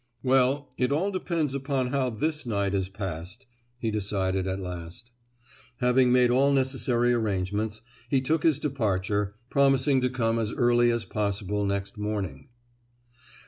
"Well, it all depends upon how this night is passed," he decided at last. Having made all necessary arrangements, he took his departure, promising to come as early as possible next morning.